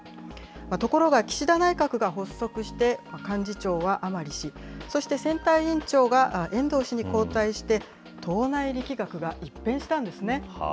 ところが岸田内閣が発足して、幹事長は甘利氏、そして選対委員長が遠藤氏に交代して、党内力学が一変したんです